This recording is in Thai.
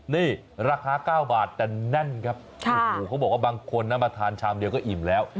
นี่ราคา๙บาทแต่แน่นครับโอ้โหเขาบอกว่าบางคนนะมาทานชามเดียวก็อิ่มแล้ว